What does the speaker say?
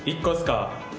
１個ですか？